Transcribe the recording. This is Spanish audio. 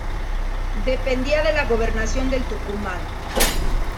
Dependía de la gobernación del Tucumán.